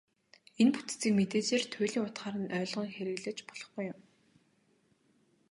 Энэ бүтцийг мэдээжээр туйлын утгаар нь ойлгон хэрэглэж болохгүй юм.